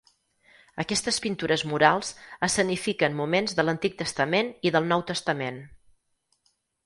Aquestes pintures murals escenifiquen moments de l'Antic Testament i del Nou Testament.